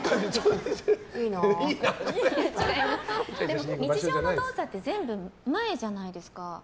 でも、日常の動作って全部前じゃないですか？